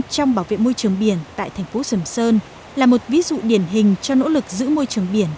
trong bảo vệ môi trường biển tại thành phố sầm sơn là một ví dụ điển hình cho nỗ lực giữ môi trường biển